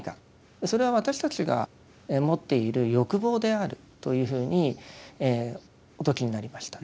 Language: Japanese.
それは私たちが持っている欲望であるというふうにお説きになりました。